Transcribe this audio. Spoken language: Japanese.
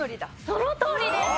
そのとおりです！